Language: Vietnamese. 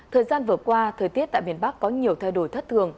thời gian vừa qua thời tiết tại miền bắc có nhiều thay đổi thất thường